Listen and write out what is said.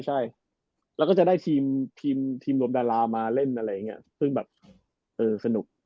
ใช่แล้วก็จะได้ทีมรวมดารามาเล่นอะไรอย่างนี้ซึ่งแบบเออสนุก